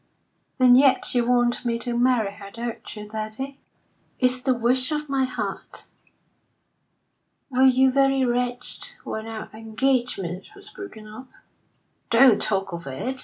And yet you want me to marry her, don't you, daddy?" "It's the wish of my heart." "Were you very wretched when our engagement was broken off?" "Don't talk of it!